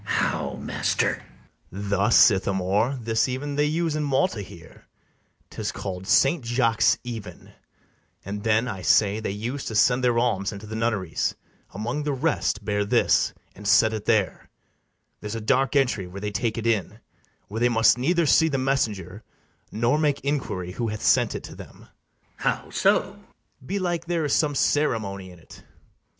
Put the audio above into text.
ITHAMORE. How, master? BARABAS. Thus, Ithamore: This even they use in Malta here, 'tis call'd Saint Jaques' Even, and then, I say, they use To send their alms unto the nunneries: Among the rest, bear this, and set it there: There's a dark entry where they take it in, Where they must neither see the messenger, Nor make inquiry who hath sent it them. ITHAMORE. How so? BARABAS. Belike there is some ceremony in't.